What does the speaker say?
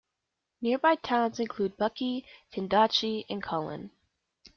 Nearby towns include Buckie, Findochty and Cullen.